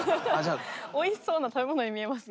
おいしそうな食べ物に見えます。